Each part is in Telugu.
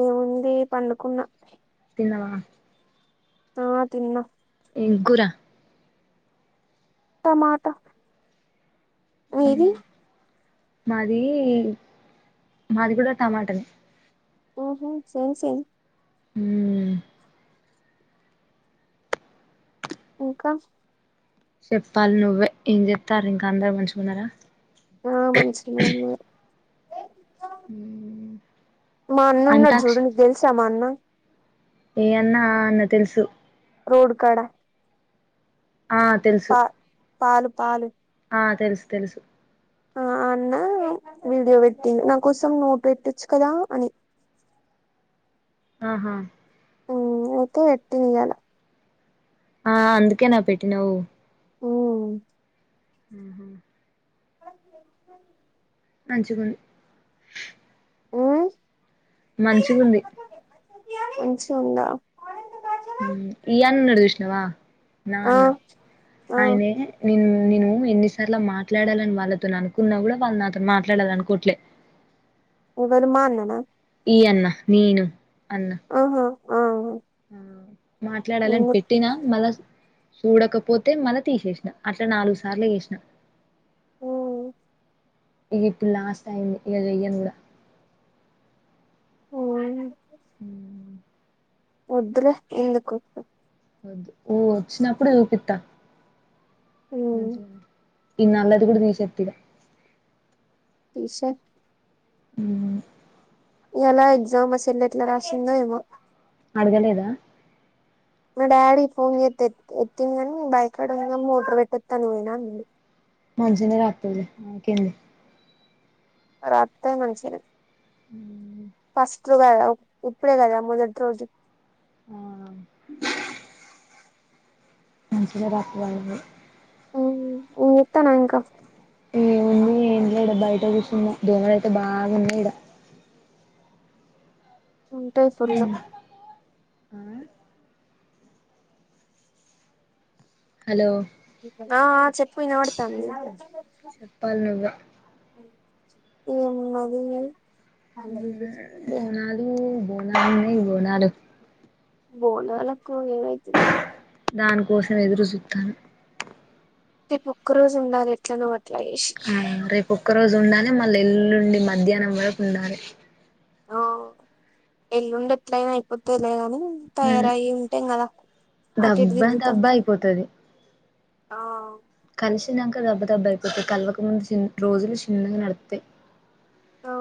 ఓ తే పండుకున్న. నవ ఆ తిన్న. ఎంకుర టమాటా మీది మాది, మాది కూడా టమాటనే. ఆహా సేమ్ సేమ్. హ్మ్ ఇంకా చెప్పాలి నువ్వే, ఏం చేత్తారు ఇంకా అందరు మంచుగున్నరా? ఆ మంచినే ఉన్నర్. మ్మ్ మా అన్న ఉన్నడు అంటాక్ష జూడు, నీకు తెలిసా మా అన్న. ఏ అన్నా? ఆ అన్న తెలుసు. రోడ్కాడా ఆ తెలుసు పాలు పాలు ఆ తెలుసు తెలుసు ఆ అన్న వీడియో పెట్టిండు, నా కోసం నో పెట్టొచ్చు కదా అని. ఆహా ఓతే పెట్టినియాల ఆ అందుకెనా పెట్టినవ్ ఉమ్ ఉహు [inaudible] అంచికుంద్ హ్ మంచిగుంది మంచి గా ఉందా హ్ ఈ అన్న ఉన్నడు చూసినవా నా ఆ అన్న ఆ ఆయనే నిన్ను నేను ఎన్నిసార్లు మాట్లాడాలని వాళ్ళతో అనుకున్నా కూడా వాళ్ళు నాతోనీ మాట్లాడాలనీ అనుకోట్లే ఎవలు మా అన్న నా మీ అన్న నేను అన్న ఆహా ఆ ఆ మాట్లాడాలని ఎందుకు పెట్టినా మళ్ళా స్ చూడకపోతే మళ్ళా తీసేసిన అట్లా నాలుగు సార్లు చేసిన ఉమ్ ఇక ఇప్పుడు లాస్ట్ టైమ్ ఇక చేయ్యూను కూడా హ్ వద్దు లే ఎందుకు వద్దు ఓ ఓచ్చినప్పుడే చూపిత్త ఉమ్ మంచిగుంది ఈ నల్లటిది కూడా తీషెత్త ఇగ తీసెయ్ హ్ ఇయల ఎగ్జామ్ మ చెల్లె ఏట్లా రాసందొ ఏమో అడుగలేదా మా డాడీ ఫోన్ జెత్తే ఎ ఎత్తిండు గాని బాయి కడ ఉన్నడు మోటర్ పెట్టోత్తా అని పోయినా అన్నాడు మంచిగానే రాత్తదిలె ఇంకేంది రాత్తది మంచిగానే హ్ పాస్ [unintelligible] ఇప్పుడే గద మొదటి రోజు హా మంచిగా రాత్తది అదేం లేదు హ్ ఏం చెత్తన్నవ్ ఇంకా ఏముంది ఏం లేదు ఇడా బయట కూర్చున్నా దోమలు అయితే బాగున్నాయి. ఇడ ఉంటాయి ఫుళ్ళు హ్మ్. ఆ! హలో ఆ చెప్పు వినవడుతంది. చెప్పాలి నువ్వే ఏం ఉన్నది అ మ ఇది నన్నాయి బోనాలు బోనాలకు ఏనైతుండా దానికోసం ఎదురు జుత్తన్న రేపు ఒక్క రోజు ఉండాలి. ఎట్లాన్న వ అట్ల చేసి ఒక రోజు ఉండానే మళ్ళ ఎల్లుండి మధ్యాహ్నం వరకు ఉండాలి ఓ ఎల్లుండి ఎట్లయినా అయిపోతాయి లే గాని తయారయ్య ఉంటాం కదా అటుఇటు దబ్బా తిరుగుతాం దబ్బా ఆ కలిసి దాంక దెబ్బ దెబ్బ అయిపోతే కలవకముందు రోజులు చిన్నగా నడుతాయి ఆ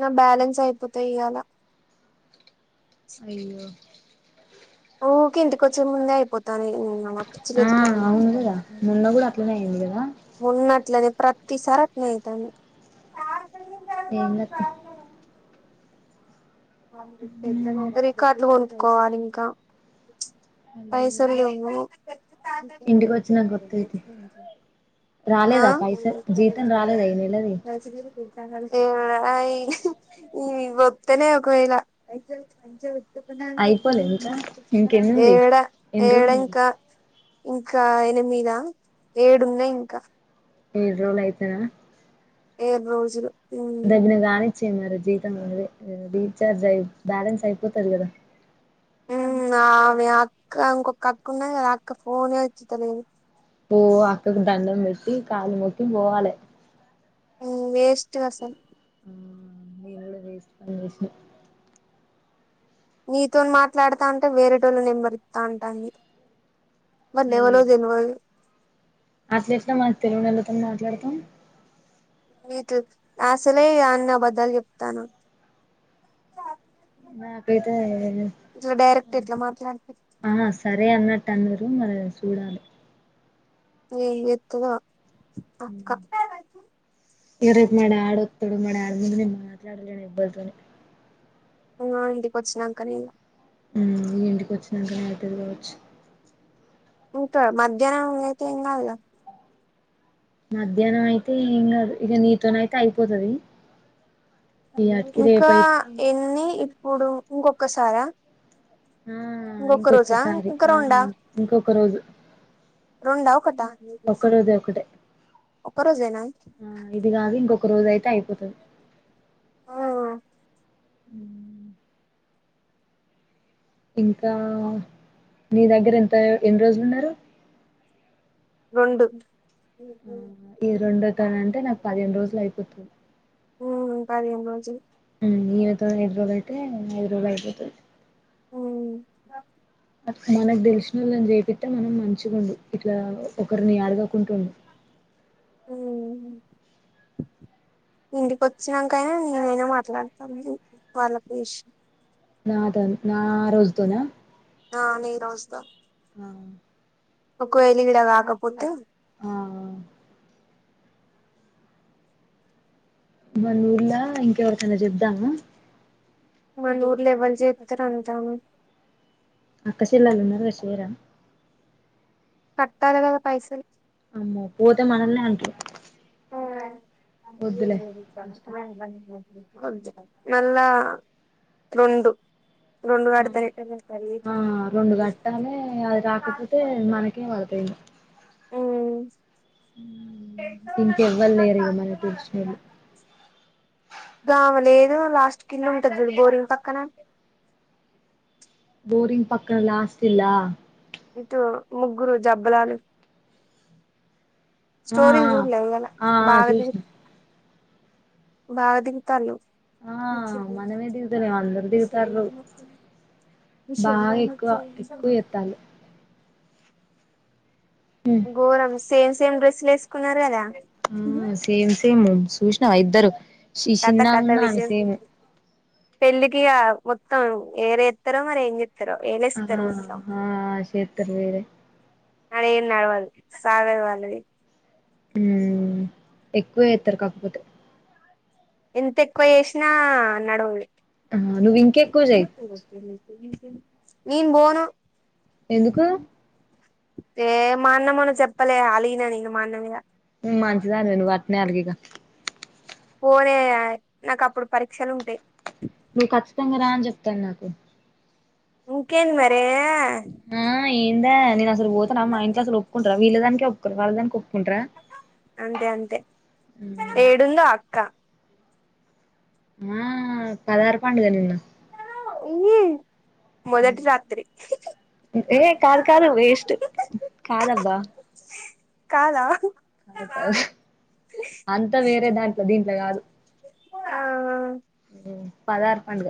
నా బ్యాలెన్స్ అయిపోతాయి ఇయ్యాలా అయ్యో ఉరికే ఇంటికి వచ్చే ముందే అయిపోతుంది పిచ్చి ఆ లేత్తంది అవును కదా మొన్న కూడా అట్లనే అయింది కదా ఉన్నట్లనే ప్రతి సారి అట్లనే అయితంది ఎంగతి రికార్డులు కొనుక్కోవాలి ఇంకా పైసలు లేవు ఇంటికి వచ్చినాక వత్తయితి ఆ రాలేదా పైస జీతం ద రాలేదా ఈ నెలది ఈ ఈ గత్తనే కోయిల మంచి అయిపోలే ఇంకా ఇంకెన్నుంది ఏడ ఎన్ని రోజులు ఉంది ఏళంకా ఇంకా ఎనిమిదా ఏడున్నాయి ఇంకా ఏడ్ రోజలు అయితేనా ఏడు రోజులు ఉమ్ దగిన కాణించ మరి జీతం అే రీచార్జ్ అయి బ్యాలెన్స్ అయిపోతాది కదా ఆమె అక్క ఇంకొక అక్క ఉన్నది కదా ఆ అక్క ఫోనే ఎత్తుతలేదు పో అక్కకి దండం పెట్టి కాళ్ళకి ముక్కి పోవాలి వేస్ట్ ఇవాసం నేను వేస్ట్ పష నీతో మాట్లాడతా అంటే వేరేటోళ్ళు నెంబరిత్త అంటాంది వాళ్ళు ఎవరో తెల్వదు అట్లట్లా మా తెలినోళ్లతో ఎలా మాట్లాడతాం మీకు అసలే అన్నబద్దాలు చెప్తాను నా కైతే ఇట్లా డైరెక్ట్ ఎట్లా మాట్లాడుతు తందరు మరి చూడాలి ఏ ఎత్తువా అక్క ఇవ రేపు మా డాడ్ వస్తాడు మా డాడ్ ముందు నేను మాట్లాడలేను ఎవ్వరితోనూ ఉనా ఇంటికి వచ్చినాకనీ ఉమ్ ఇంటికి వచ్చినాక నాతది కావచ్చు ఉంటా మధ్యాహ్నం అయితే ఎమ్ కాధు గా మధ్యాహ్నం అయితే ఎమ్ కాధు ఇక నీతోన అయితే అయిపోతుది అయ ఇంకా ఎన్ని ఇప్పుడు ఇంకొకసారా ఆ ఇంకొక రోజా ఇంకొక్కసారి ఇంక ఆ రొండా ఇంకొక రోజు రెండా ఒకటా ఒక రోజే ఒకటే ఒక్క రోజేనా ఉమ్ ఇది కాదు ఇంకొక రోజ అయితే తే అయిపోతుంది ఆ ఉమ్ ఇంకా నీ దగ్గర ఎంత ఎన్ని రోజులున్నారు రెండు ఆ ఇ రెండో తన అంటే నాకు పదిహేను రోజులు అయిపోతుంది ఉమ్ పదిహేను రోజులు ఉమ్ ఇవత ఇదరుోళయితే ఐధు రోజులో అయ్‌పోతాధి ఉమ్ మనకు తెలిసిన వాళ్ళని చేపిట్టా మనం మంచిగా ఉండు ఇట్లా ఒకరిని అడగకుంటుండు ఉమ్ ఇంటికి వచ్చినాకైనా నేనైనా మాట్లాడతాను వాళ్ళకు విషయం నా త నా ఆ రోజుతోనా ఆ న రాజ ఆ ఒక కోయలి గడగా ఆకపోతే ఆ! మనూర్లా ఇంకెవరికన్నా చెబదామా మ ఊర్లుెవల్ చెప్తారు అంటాము అక్కసిల్లలు ఉన్నారు చేయరా కటాలే కాధా పైసలు అమో పోతే మనల్లేంట అ కష్టం మ [unintelligible] మాలా రెండు ఆ ఆ రెండు గట్టనే అది రాకపోతే మనకేం పడుపోయింది ఉమ్ ఇంకెవ్వలేరుయో మన టెల్షునోలు దవ లేదు లాస్ట్ కిలోమీటర్ బోరింగ్ పక్కన బోరింగ్ పక్కన లాస్ట్ ఇలా ఇటు ముగ్గురు జబ్బలాలు ఆ స్టోరీ ఆ చూడలే క ఆ ఆ బాగాది చూసిన బాగా దిగుతారు ఆ మ మనమే దిగుతలేం అందరు శ దిగుతార్రు బాగా మీషరిలా మ స ఎక్కువ ఎక్కువ [unintelligible] చేత్తాళ్ళు గోరంస్ సేమ్ సేమ్ డ్రెస్లు వేసుకున్నారు కాధా ఉమ్ ఆ సేమ్ సేమ్ చూసినావా ఇద్దరు శిషినన్న అంతేను పెళ్ళికిగా మొత్తం ఏరేస్తారో మరి ఏం చె ఆ ఎళస్తరు ఉసం ఆ చేత్తరు వేరే న అరె నడవాలి సాగ ఇవ్వాలది ఊ ఎక్కువే ఎత్తారు కాకపోతే ఎంత ఎక్కువ చేసినా అ నడవుడి ఆ ను ఎక్కుకెక్కుజయి నేన్ పోను ఎందుకు ఏ మా అన్న మొన్న చెప్పలే అలీగిన నేను మా అన్న మీద మంచిదన మే అట్ట నే అల్గిగా పోనే నాకు అప్పుడు పరీక్షలు ఉంటాయి. మీకు ఖచ్చితంగా రా అని చెప్ తె నాకు ఇంకేంది మరే అ [unintelligible] ఎందా నే అసలు పోతనా మా ఇంట్లో అసలు ఒప్పుకుంట్రా వీళ్ళ దాక ఒప్పుకు వాళ్ళ దానికి ఒప్పుకుంట్రా. అంతే అంతే ఏడుందో అక్క ఆ పదహారు పండుగ నిన్న మొదటి రాత్రి ఏ కాదు కాదు వేస్ట్ కాదు అబ్బా కాదా అంతా వేరే దాంట్లో ఆ ఊ పదారు పండగ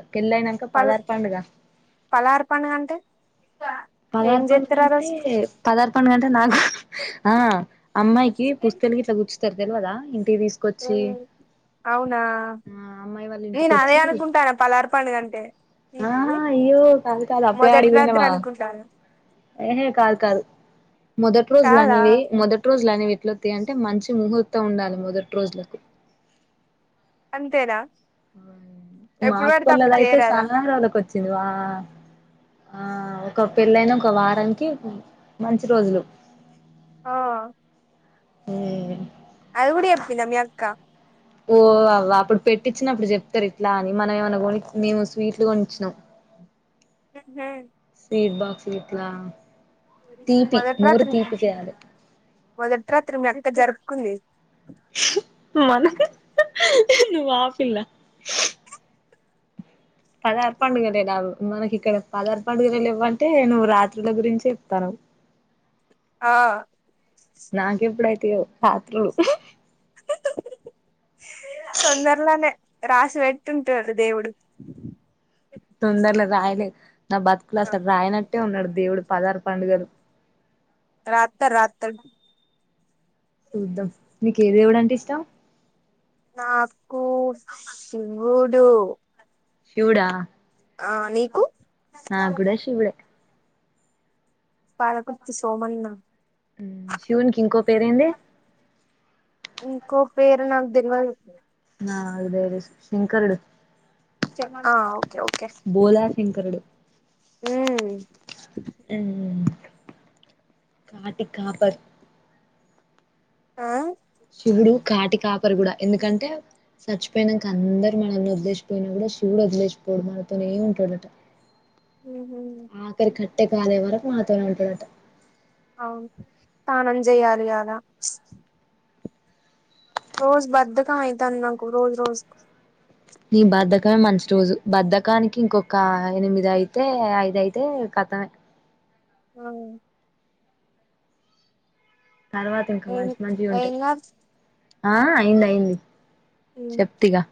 పల్ పలార్ పండగ అంటే ఏం పదార్ పండగ చేత్తరు ఆ గంటే రోజు పదార్ పండుగ గంటే నాకు హు ఆ అమ్మాయికి పుస్తలు ఇట్లా కూర్చుతారు తెలియదా. ఇంటికి తీసుకొచ్చి అవునా ఆ అమ్మాయి వాళ్ళ నేను అదే ఇంటికొచ్చి. అనుకుంటాన పలార్ పండుగ అంటే ఆహా ఇయో క కాదు అప్పుడ ఆడికి మొదటి రాత్రి పోయినవా అనుకుంటాను ఏ కాదు. కాదు మొదటి కాదా రజులనినేవి, మొదటి రోజులానివి ఎట్ల వత్తాయి అంటే మంచి ముహూర్తం ఉండాలి మొదటి రోజులకు. అంతేనా మా ఎప్పుడు పడితే అప్పుడు అక్కొల్లదేయితే చేయరాదా సాన రోలుకొచ్చింది. వా ఆ ఒక పెళ్ళయినా ఒక వారానికి మంచి రోజులు ఆ హ్మ్ అది గుడి ఎప్పింద మీయక్క ఓ అవా అప్పుడు పెట్టిచ్చినప్పుడు చెప్తారు ఇట్లా అని, మనం ఏమనా కొని మేము స్వీట్లు కొనిచ్చినాం. ఏమ్మే స్వీట్ బాక్స్ ఇగ ట్లా తీపి మొదటి నోరు రాత్రి తీపి జేయాలె మొదటి రాత్రి మీ అక్క జరుపుకుంది మనకు ను వాపిల్లా పదార్ పండుగలు లెలాగో మనకి ఇక్కడ పదార్ పండుగలు లెవ్వంటే నువ్వు రాత్రుల గురించి యెప్తనావ్. ఆ నాకెప్పుడు అయితయో రాత్రులు తొందర్లోనే రాసి వెట్టుంటాడు దేవుడు తొందరలో రాయలే నా బతుకులో అస్సల్ రాయన ట్టే ఉన్నాడు దేవుడు పదారు పండుగలు రాత్త రాత్తడు చూద్దాం నీకే దేవుడు అంటే ఇష్టం నాకు శివుడు శివుడా ఆ నీకు నా గూడ శివుడె పాలకుర్తి సోమన్న మ్మ్ శివునికి ఇంకో పేరు ఏంది ఇంకో పేరు నాకు దెల్వదు నాది బేరే శంకరుడు ఆవ్ బోలా శంకరుడు హ్మ్ మ్మ్ కాటి కాపర్ ఆ శివుడు కాటి కాపరి గూడ ఎందుకంటే చచ్చిపోయినాంక అందరు మనల్ని వదిలేసిపోయినా కూడా శివుడు వదిలేసిపోడు మనతోనే ఉంటాడట. ఆఖరి కట్టే కాలే వరకు మనతోనే ఉంటడట అవును తానం జేయాలి గదా ప్చ్ రోజు బద్దకం అయితాంది నాకు రోజు రోజుకు నీ బద్దకమే మంచి రోజు బద్దకానికి ఇంకొక ఎనిమిది అయితే ఐద అయితే కతమే. ఆ తర్వాత ఇంకా ఏం మంచి మంచివి ఉంటాయి ఏం కాదు ఆ అయింది అయింది చెప్తిగా